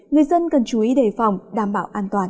người dân cần chú ý đề phòng đảm bảo an toàn